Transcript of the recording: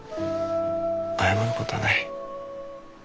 謝ることはない。